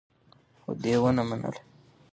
خو دې ونه منله.